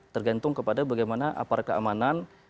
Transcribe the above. tergantung kepada bagaimana aparat keamanan